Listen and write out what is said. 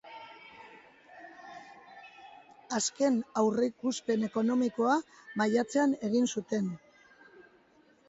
Azken aurreikuspen ekonomikoa maiatzean egin zuten.